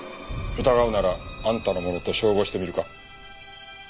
疑うならあんたのものと照合してみるか？